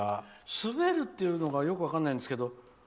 滑るっていうのがよく分からないんですけど。